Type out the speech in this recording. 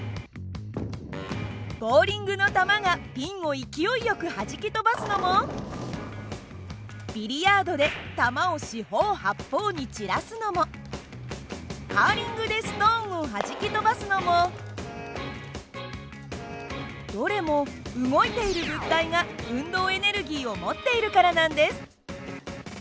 ボウリングの球がピンを勢いよくはじき飛ばすのもビリヤードで球を四方八方に散らすのもカーリングでストーンをはじき飛ばすのもどれも動いている物体が運動エネルギーを持っているからなんです。